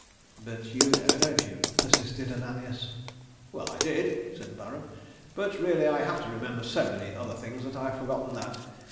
"But, you know, don't you?" persisted Ananias. "Well, I did," said the Baron; "but, really I have had to remember so many other things that I have forgotten that.